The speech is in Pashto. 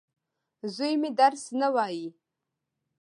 زوی مي درس نه وايي.